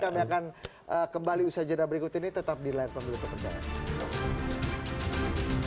kami akan kembali usaha jeda berikut ini tetap di lain pemilu perpercayaan